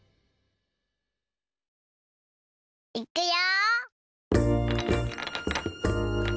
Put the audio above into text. いくよ。